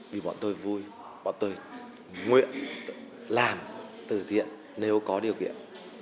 vì bọn tôi vui bọn tôi nguyện làm từ thiện nếu có điều kiện